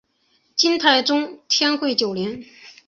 金太宗天会九年。